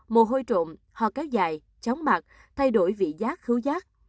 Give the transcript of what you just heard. mồ hôi trộn hò kéo dại chóng mặt thay đổi vị giác khu giác